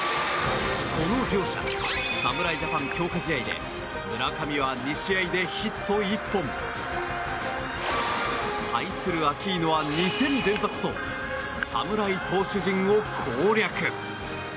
この両者、侍ジャパン強化試合で村上は２試合でヒット１本。対するアキーノは２戦連発と侍投手陣を攻略。